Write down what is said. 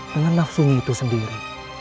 dengan nafsunya itu sendiri